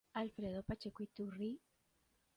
Alfredo Pacheco Iturri.